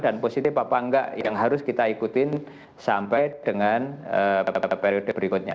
dan positif apa enggak yang harus kita ikutin sampai dengan periode berikutnya